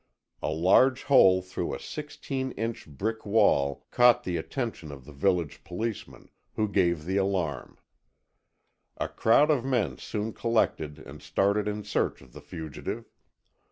A large hole through a sixteen inch brick wall caught the attention of the village policeman, who gave the alarm. A crowd of men soon collected and started in search of the fugitive.